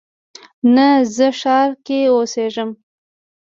نه، زه ښار کې اوسیږم